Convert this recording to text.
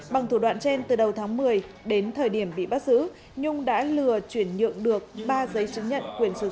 bằng thủ đoạn trên từ đầu tháng một mươi đến thời điểm bị bắt giữ nhung đã lừa chuyển nhượng được ba giấy chứng nhận quyền sử dụng đất